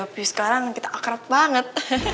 tapi sekarang kita akrab banget